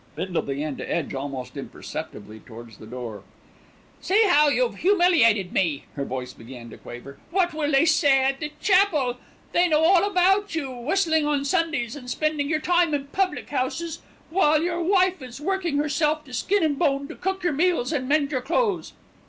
Bindle began to edge almost imperceptibly towards the door. "See how you've humiliated me," her voice began to quaver. "What will they say at the Chapel? They know all about you, whistling on Sundays and spending your time in public houses, while your wife is working herself to skin an' bone to cook your meals and mend your clothes.